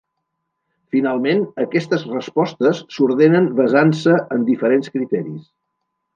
Finalment, aquestes respostes s'ordenen basant-se en diferents criteris.